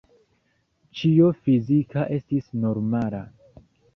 Ĉio fizika estis normala.